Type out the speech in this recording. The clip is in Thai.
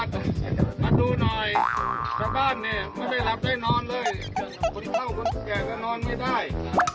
คนเท่าคนเก่าก็นอนไม่ได้